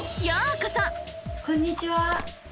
こんにちは。